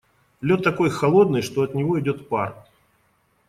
Лед такой холодный, что от него идёт пар.